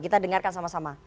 kita dengarkan sama sama